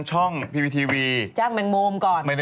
แหม่ทำเป็นถาม